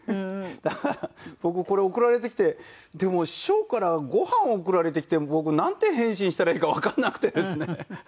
だから僕これ送られてきてでも師匠からご飯送られてきても僕なんて返信したらいいかわかんなくてですね。